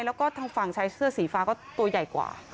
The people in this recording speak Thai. แล้วก็ทางฝั่งชายเสื้อสีฟ้าก็ตัวใหญ่กว่า